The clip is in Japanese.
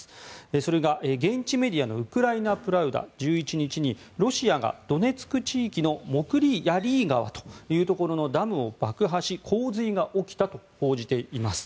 それが現地メディアウクライナプラウダが１１日にロシアがドネツク地域のモクリ・ヤリー川というところのダムを爆破し洪水が起きたと報じています。